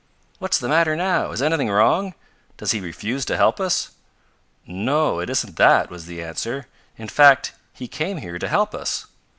"What's the matter now? Is anything wrong? Does he refuse to help us?" "No, it isn't that," was the answer. "In fact he came here to help us.